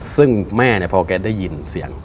ซึ่งแม่พอแกได้ยินเสียง